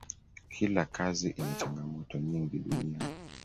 kila kazi ina changamoto nyingi duniani